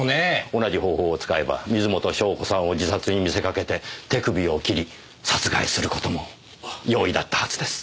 同じ方法を使えば水元湘子さんを自殺に見せかけて手首を切り殺害する事も容易だったはずです。